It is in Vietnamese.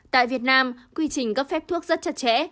tại việt nam quy trình cấp phép thuốc rất chặt chẽ